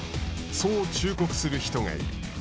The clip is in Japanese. そう忠告する人がいる。